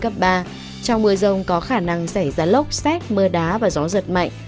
trong mưa rông có khả năng xảy ra lốc xét mưa đá và gió giật mạnh